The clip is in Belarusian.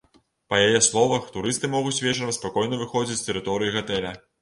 Па яе словах, турысты могуць вечарам спакойна выходзіць з тэрыторыі гатэля.